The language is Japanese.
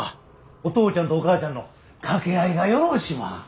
お父ちゃんとお母ちゃんの掛け合いがよろしいわ。